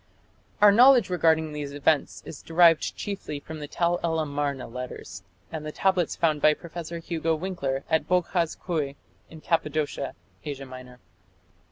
Our knowledge regarding these events is derived chiefly from the Tell el Amarna letters, and the tablets found by Professor Hugo Winckler at Boghaz Köi in Cappadocia, Asia Minor.